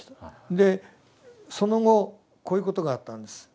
でその後こういうことがあったんです。